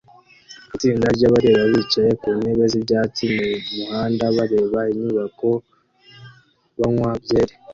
Itsinda ry'abareba bicaye ku ntebe z'ibyatsi mu muhanda bareba inyubako banywa byeri